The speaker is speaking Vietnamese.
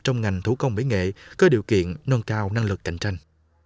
trong ngành thủ công mỹ nghệ có điều kiện nâng cao năng lực cạnh tranh